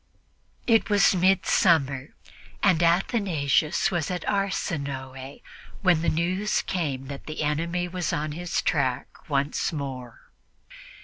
It was midsummer, and Athanasius was at Arsinoe when the news came that the enemy was on his track once more.